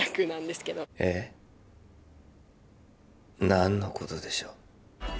何のことでしょう